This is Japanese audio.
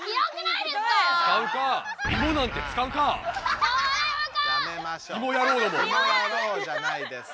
いもやろうじゃないです。